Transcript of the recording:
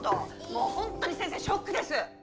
もうほんとに先生ショックです！